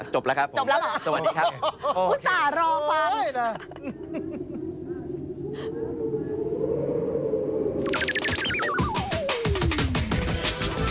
จบแล้วครับผมสวัสดีครับโอเคจบแล้วเหรอ